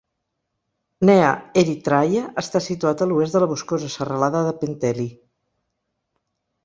Nea Erythraia està situat a l'oest de la boscosa serralada de Penteli.